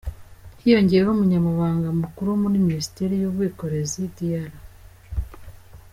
Hiyongeraho umunyamabanga mukuru muri Minisiteri y’Ubwikorezi Dr.